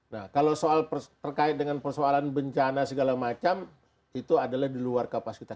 nah kalau terkait dengan persoalan bencana segala macam itu adalah di luar kapasitas